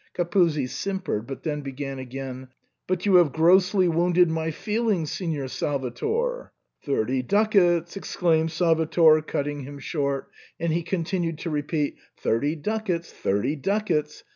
Capuzzi simpered, but then began again, " But you have grossly wounded my feelings, Signor Salvator" "Thirty ducats," exclaimed Salvator, cutting him short ; and he continued to repeat, "Thirty ducats! thirty ducats!"